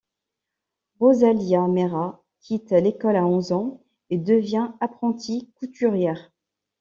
Rosalia Mera quitte l'école à onze ans et devient apprentie couturière.